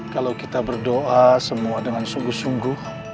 kalau kita berdoa semua dengan sungguh sungguh